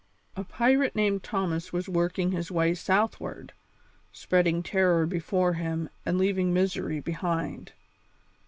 A pirate named Thomas was working his way southward, spreading terror before him and leaving misery behind.